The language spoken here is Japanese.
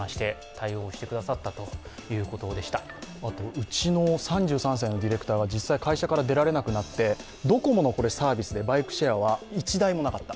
うちの３３歳のディレクターが実際会社から出られなくなってドコモのサービスでバイクシェアは１台もなかった。